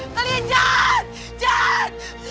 kalian jangan jangan